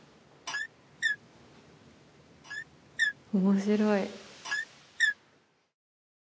面白い。